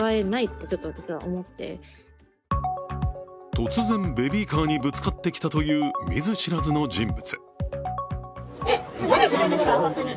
突然、ベビーカーにぶつかってきたという見ず知らずの人物。